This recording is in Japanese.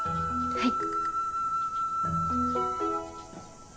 はい。